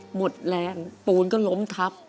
หมดแรงปูนก็ล้มทับ